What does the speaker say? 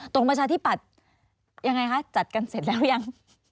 ประชาธิปัตย์ยังไงคะจัดกันเสร็จแล้วยัง